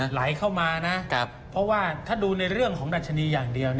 ไหลเข้ามานะเพราะว่าถ้าดูในเรื่องของดัชนีอย่างเดียว